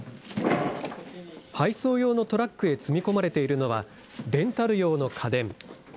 配送用のトラックに積み込まれているのはレンタル用の家電。